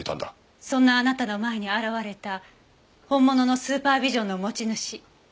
そんなあなたの前に現れた本物のスーパービジョンの持ち主。